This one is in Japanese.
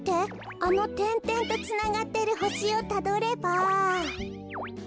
あのてんてんとつながってるほしをたどれば。